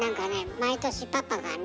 毎年パパがね